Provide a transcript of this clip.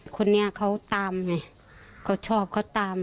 คนนี้เขาตามไงเขาชอบเขาตาม